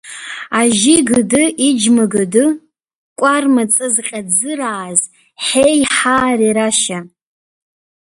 Ажьи Гыды иџьма гыды, Кәарма ҵызҟьа дзырааз, Ҳеи-ҳаа, рерашьа!